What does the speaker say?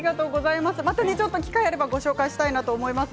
また機会があればご紹介したいと思います。